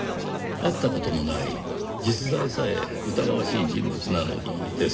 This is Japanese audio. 会った事もない実在さえ疑わしい人物なのにですか？